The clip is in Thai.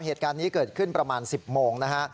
เหตุการณ์นี้เกิดขึ้นประมาณ๑๐โมงนะฮะ